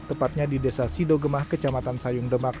tepatnya di desa sidogemah kecamatan sayung demak